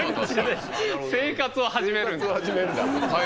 生活を始めるんだ。